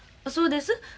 そうです。